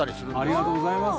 ありがとうございます。